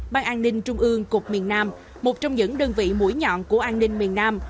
ban an ninh trung ương cục miền nam một trong những đơn vị mũi nhọn của an ninh miền nam